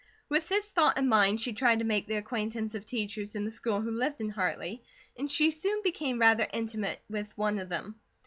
With this thought in mind, she tried to make the acquaintance of teachers in the school who lived in Hartley and she soon became rather intimate with one of them.